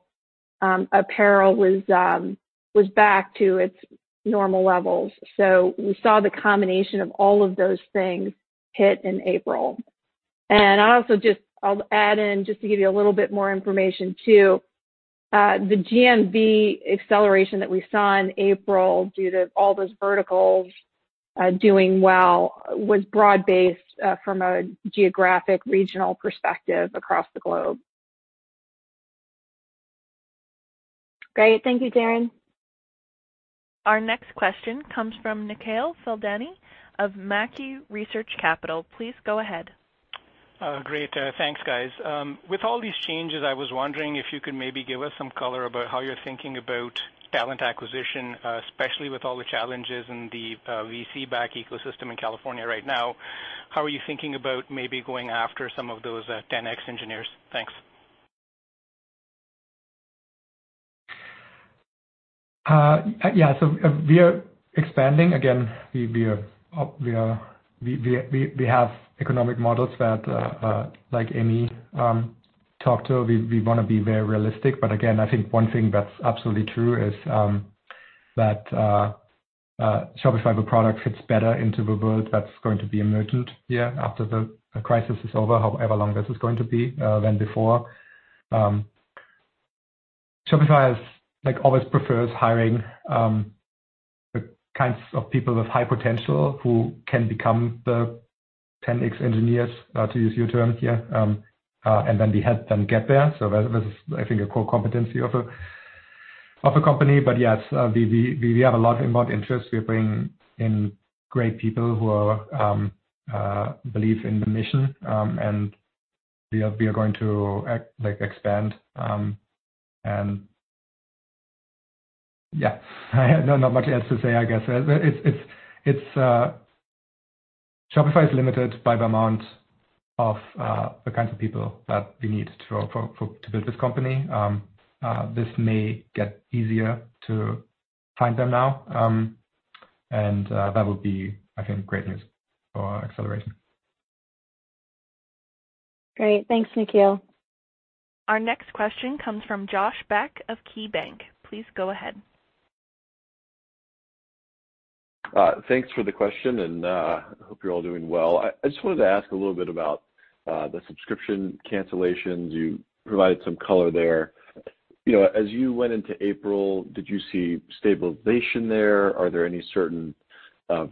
apparel was back to its normal levels. We saw the combination of all of those things hit in April. I also just I'll add in just to give you a little bit more information too, the GMV acceleration that we saw in April, due to all those verticals doing well, was broad-based from a geographic regional perspective across the globe. Great. Thank you, Darren. Our next question comes from Nikhil Thadani of Mackie Research Capital. Please go ahead. Great. Thanks, guys. With all these changes, I was wondering if you could maybe give us some color about how you're thinking about talent acquisition, especially with all the challenges in the VC-backed ecosystem in California right now. How are you thinking about maybe going after some of those 10X Engineers? Thanks. Yeah, we are expanding. Again, we are up, we have economic models that, like Amy talked to. We wanna be very realistic. I think one thing that's absolutely true is that Shopify, the product fits better into the world that's going to be emergent, after the crisis is over, however long this is going to be, than before. Shopify is, like always prefers hiring, the kinds of people with high potential who can become the 10X Engineers, to use your term, we help them get there. That is, I think, a core competency of a company. Yes, we have a lot of involved interest. We bring in great people who are, believe in the mission. We are going to like expand. Yeah, not much else to say, I guess. Shopify is limited by the amount of the kinds of people that we need to build this company. This may get easier to find them now. That would be, I think, great news for our acceleration. Great. Thanks, Nikhil. Our next question comes from Josh Beck of KeyBanc. Please go ahead. Thanks for the question, and hope you're all doing well. I just wanted to ask a little bit about the subscription cancellations. You provided some color there. You know, as you went into April, did you see stabilization there? Are there any certain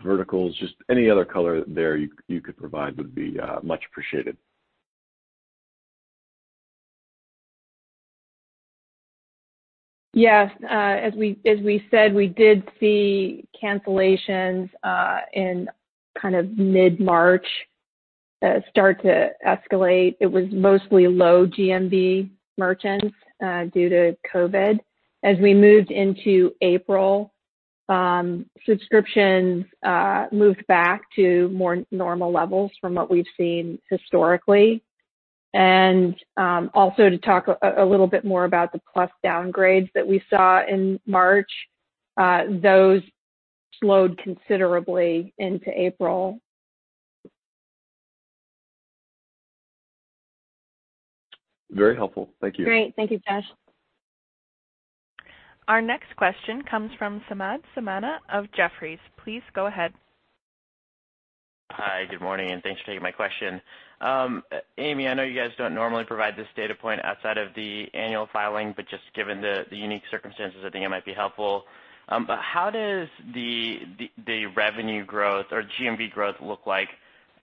verticals? Just any other color there you could provide would be much appreciated. Yes. As we said, we did see cancellations in kind of mid-March, start to escalate. It was mostly low GMV merchants due to COVID. As we moved into April, subscriptions moved back to more normal levels from what we've seen historically. Also to talk a little bit more about the Plus downgrades that we saw in March, those slowed considerably into April. Very helpful. Thank you. Great. Thank you, Josh. Our next question comes from Samad Samana of Jefferies. Please go ahead. Hi, good morning, and thanks for taking my question. Amy, I know you guys don't normally provide this data point outside of the annual filing, but just given the unique circumstances, I think it might be helpful. How does the revenue growth or GMV growth look like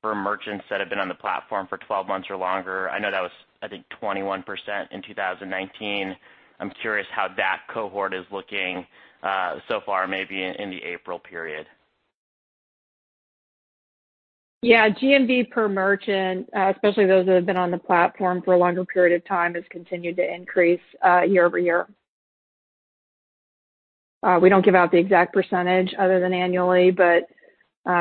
for merchants that have been on the platform for 12 months or longer? I know that was, I think, 21% in 2019. I'm curious how that cohort is looking so far, maybe in the April period. GMV per merchant, especially those that have been on the platform for a longer period of time, has continued to increase year-over-year. We don't give out the exact percentage other than annually,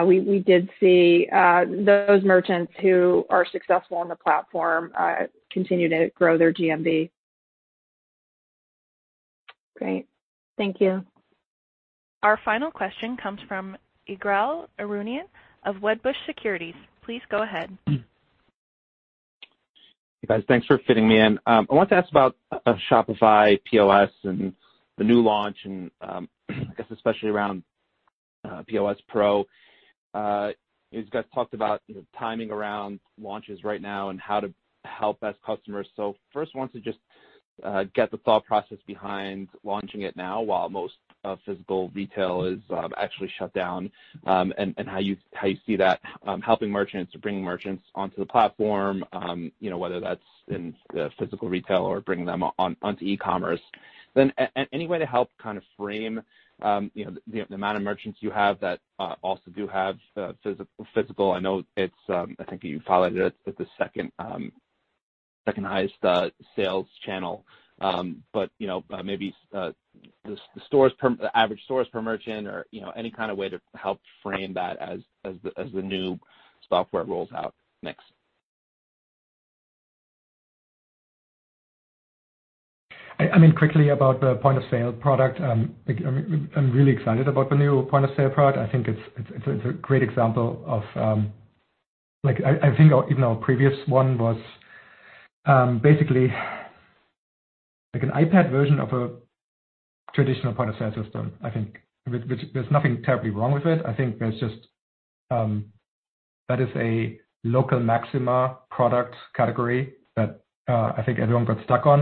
we did see those merchants who are successful on the platform continue to grow their GMV. Great. Thank you. Our final question comes from Ygal Arounian of Wedbush Securities. Please go ahead. Hey, guys. Thanks for fitting me in. I wanted to ask about Shopify POS and the new launch and I guess especially around POS Pro. You guys talked about, you know, timing around launches right now and how to help us merchants. First, wanted to just get the thought process behind launching it now while most physical retail is actually shut down and how you see that helping merchants or bringing merchants onto the platform, you know, whether that's in the physical retail or bringing them onto e-commerce. Any way to help kind of frame, you know, the amount of merchants you have that also do have physical. I know it's, I think you filed it as the second-highest sales channel. You know, maybe, the stores per the average stores per merchant or, you know, any kind of way to help frame that as the new software rolls out. Thanks. I mean, quickly about the point-of-sale product, I'm really excited about the new point-of-sale product. I think it's a great example of, like I think our, even our previous one was, basically like an iPad version of a traditional point-of-sale system, I think. Which there's nothing terribly wrong with it. I think there's just, that is a local maxima product category that I think everyone got stuck on.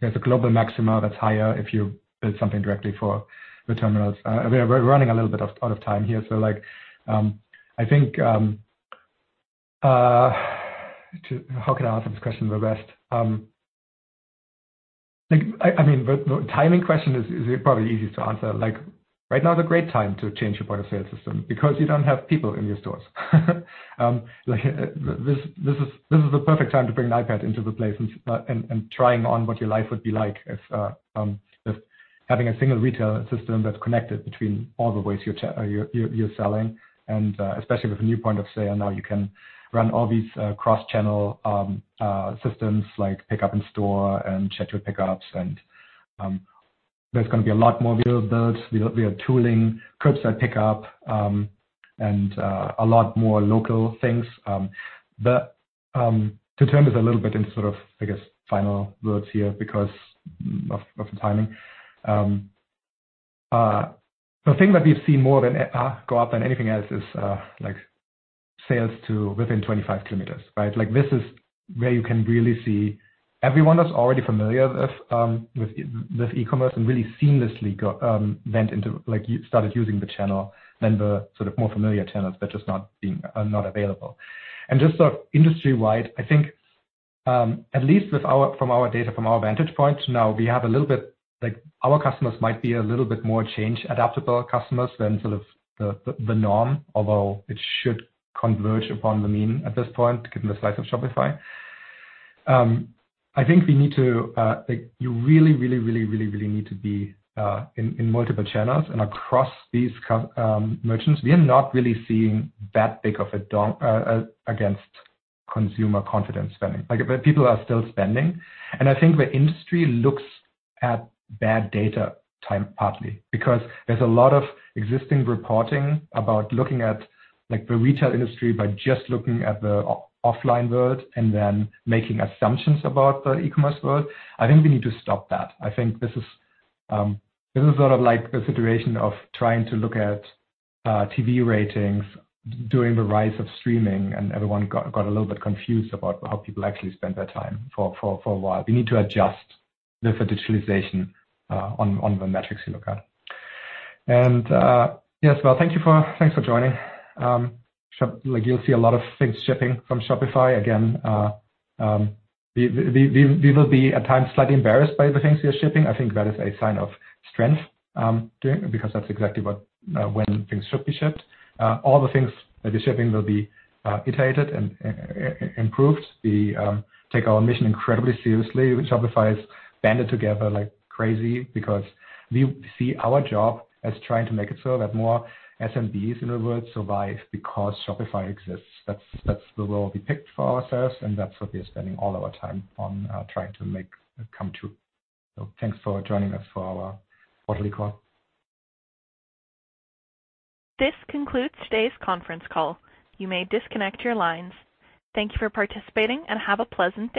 There's a global maxima that's higher if you build something directly for the terminals. We are running a little bit out of time here, so, like, how can I answer this question the best? Like, I mean, the timing question is probably easiest to answer. Like, right now is a great time to change your point-of-sale system because you don't have people in your stores. Like, this is the perfect time to bring an iPad into the place and trying on what your life would be like, if having a single retail system that's connected between all the ways you're selling and especially with the new point of sale. Now, you can run all these cross-channel systems like pickup in store and schedule pickups and there's gonna be a lot more builds. We are tooling curbside pickup and a lot more local things. To turn this a little bit into sort of, I guess, final words here because of the timing. The thing that we've seen more than go up than anything else is like sales to within 25 km, right? Like, this is where you can really see everyone that's already familiar with e-commerce and really seamlessly went into, like, started using the channel than the sort of more familiar channels that are just not being, not available. Industry-wide, I think, at least from our data, from our vantage point now, we have a little bit, like our customers might be a little bit more change adaptable customers than sort of the norm, although it should converge upon the mean at this point, given the size of Shopify. I think we need to, like you really need to be in multiple channels and across these merchants. We are not really seeing that big of a dump against consumer confidence spending. Like, people are still spending, and I think the industry looks at bad data time partly because there's a lot of existing reporting about looking at, like, the retail industry by just looking at the offline world and then making assumptions about the e-commerce world. I think we need to stop that. I think this is sort of like the situation of trying to look at TV ratings during the rise of streaming, and everyone got a little bit confused about how people actually spend their time for a while. We need to adjust the digitalization on the metrics you look at. Yes. Well, thanks for joining. Like, you'll see a lot of things shipping from Shopify. Again, we will be at times slightly embarrassed by the things we are shipping. I think that is a sign of strength because that's exactly what when things should be shipped. All the things that we're shipping will be iterated and improved. We take our mission incredibly seriously. Shopify has banded together like crazy because we see our job as trying to make it so that more SMBs in the world survive because Shopify exists. That's the role we picked for ourselves, and that's what we are spending all our time on trying to make come true. Thanks for joining us for our quarterly call. This concludes today's conference call. You may disconnect your lines. Thank you for participating, and have a pleasant day.